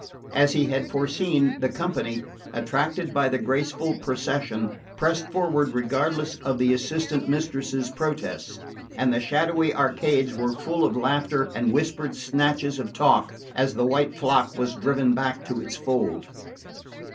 As he had foreseen, the company, attracted by the graceful procession, pressed forward regardless of the assistant mistresses' protests, and the shadowy arcades were full of laughter and whispered snatches of talk as the white flock was driven back to its fold.